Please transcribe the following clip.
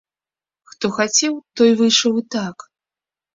Хто хацеў, той выйшаў і так.